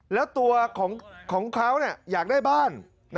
แล้วตัวของเขาอยากได้บ้าน